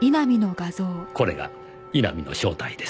これが井波の正体です。